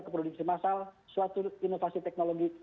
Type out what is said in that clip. ke produksi masal suatu inovasi teknologi